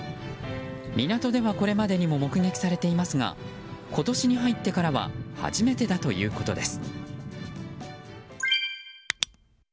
港ではこれまでにも目撃されていますが今年に入ってからは初めてだということです。